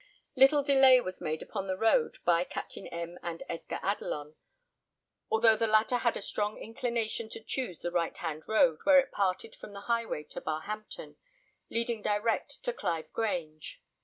Little delay was made upon the road by Captain M and Edgar Adelon, although the latter had a strong inclination to choose the right hand road, where it parted from the high way to Barhampton, leading direct to Clive Grange.